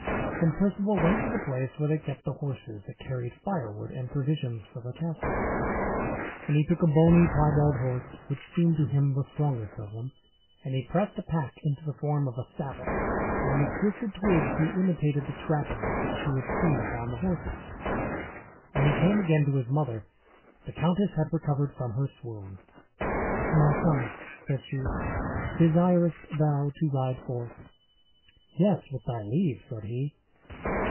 And Perceval went to the place where they kept the horses that carried firewood and provisions for the castle, and he took a bony, piebald horse, which seemed to him the strongest of them. And he pressed a pack into the form of a saddle, and with twisted twigs he imitated the trappings which he had seen upon the horses. When he came again to his mother, the countess had recovered from her swoon. "My son," said she, "desirest thou to ride forth?" "Yes, with thy leave," said he.